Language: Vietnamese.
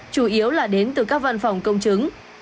chủ yếu là đến từ các văn phòng công chứng